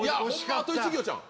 あと１行ちゃうん？